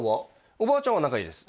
おばあちゃんは仲いいです